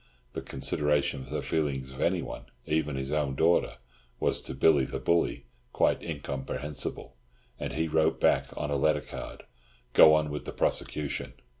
But consideration for the feelings of anyone, even his own daughter, was to Billy the Bully quite incomprehensible, and he wrote back, on a letter card, "Go on with the prosecution."